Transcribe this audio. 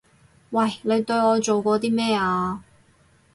喂！你對我做過啲咩啊？